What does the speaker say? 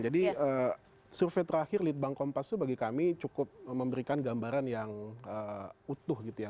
jadi survei terakhir litbang kompas itu bagi kami cukup memberikan gambaran yang utuh gitu ya